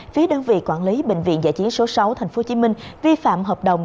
phía đơn vị quản lý bệnh viện giải trí số sáu tp hcm vi phạm hợp đồng